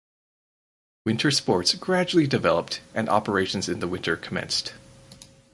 Winter sports gradually developed and operations in the winter commenced.